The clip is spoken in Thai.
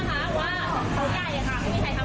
เสร็จแล้วเขาก็มากล่าวหาว่าทำงานในร้านจะทำร้ายเขา